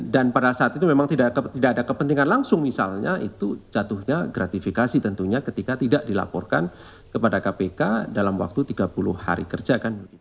dan pada saat itu memang tidak ada kepentingan langsung misalnya itu jatuhnya gratifikasi tentunya ketika tidak dilaporkan kepada kpk dalam waktu tiga puluh hari kerja